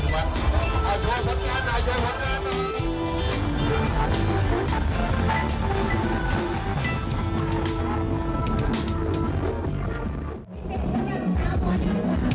โปรดติดตามตอนต่อไป